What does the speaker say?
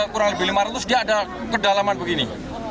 kurang lebih lima ratus dia ada kedalaman begini